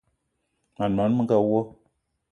Mań món menga wo!